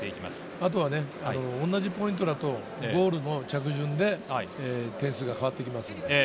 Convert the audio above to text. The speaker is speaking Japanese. あとは同じポイントだとゴールの着順で点数が変わってきます。